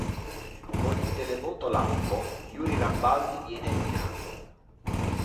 Con il televoto lampo, Yuri Rambaldi viene eliminato.